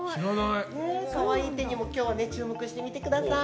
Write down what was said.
可愛い手にも今日は注目してみてください。